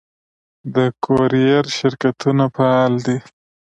د کوریر شرکتونه فعال دي؟